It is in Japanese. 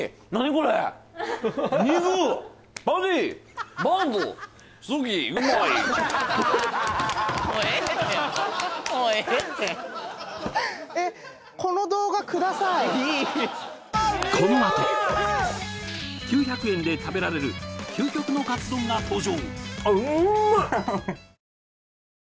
これもうええってもうええってこのあと９００円で食べられる究極のカツ丼が登場